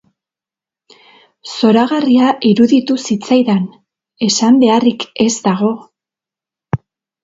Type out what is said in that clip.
Zoragarria iruditu zitzaidan, esan beharrik ez dago.